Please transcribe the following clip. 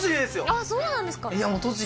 あそうなんですか。